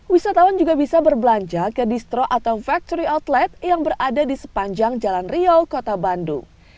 wisatawan juga bisa berbelanja ke distro atau factory outlet yang berada di sepanjang jalan riau kota bandung